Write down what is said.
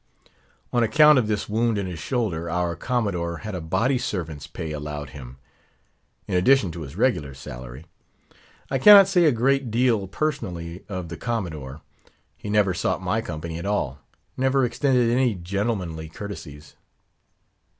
On account of this wound in his shoulder, our Commodore had a body servant's pay allowed him, in addition to his regular salary. I cannot say a great deal, personally, of the Commodore; he never sought my company at all, never extended any gentlemanly courtesies.